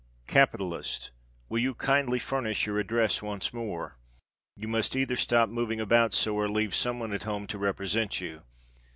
Capitalist Will you kindly furnish your address once more? You must either stop moving about so or leave some one at home to represent you.